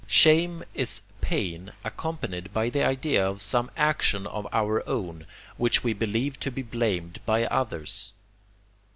Shame is pain accompanied by the idea of some action of our own, which we believe to be blamed by others.